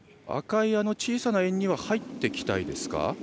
赤い小さな円には入っていきたいですか？